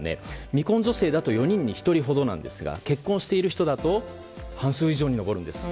未婚女性だと４人に１人ほどなんですが結婚している人だと半数以上に上るんです。